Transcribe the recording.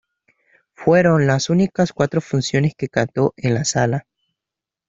Fueron las únicas cuatro funciones que cantó en la sala.